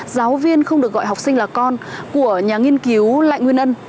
giáo viên không được gọi học sinh là con của nhà nghiên cứu lại nguyên ân